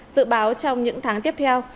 dự báo trong những tháng tiếp theo